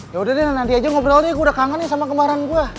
yaudah deh nanti aja ngobrol nih gue udah kangen nih sama kemarin gue